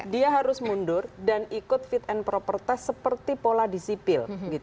dia harus mundur dan ikut fit and proper test seperti pola disipil